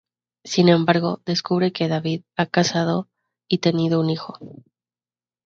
Sin embargo, descubre que David ha casado y tenido un hijo.